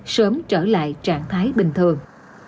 sớm trở lại trạng thái bình thường